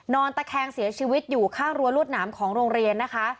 ตะแคงเสียชีวิตอยู่ข้างรั้วรวดหนามของโรงเรียนนะคะ